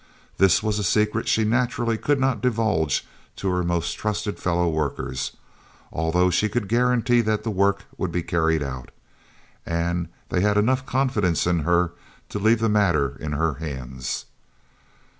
This was a secret she naturally could not divulge to her most trusted fellow workers, although she could guarantee that the work would be carried out, and they had enough confidence in her to leave the matter in her hands.